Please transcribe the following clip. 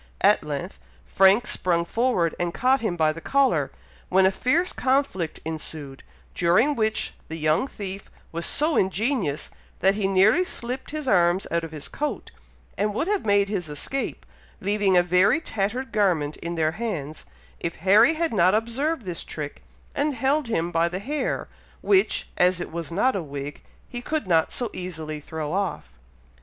At length Frank sprung forward and caught him by the collar, when a fierce conflict ensued, during which the young thief was so ingenious, that he nearly slipped his arms out of his coat, and would have made his escape, leaving a very tattered garment in their hands, if Harry had not observed this trick, and held him by the hair, which, as it was not a wig, he could not so easily throw off.